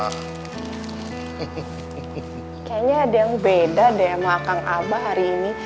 kayaknya ada yang beda deh sama kakak abah hari ini